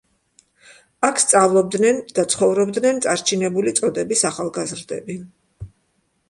აქ სწავლობდნენ და ცხოვრობდნენ წარჩინებული წოდების ახალგაზრდები.